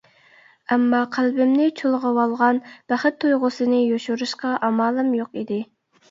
ئەمما قەلبىمنى چۇلغىۋالغان بەخت تۇيغۇسىنى يوشۇرۇشقا ئامالىم يوق ئىدى.